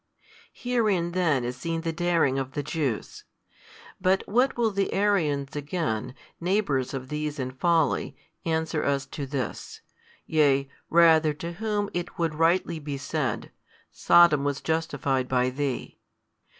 Herein then is seen the daring of the Jews. But what will the Arians again, neighbours of these in folly, answer us to this, yea rather to whom it would rightly be said, Sodom was justified by thee?